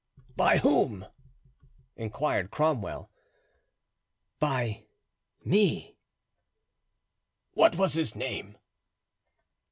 "By whom?" inquired Cromwell. "By me." "What was his name?"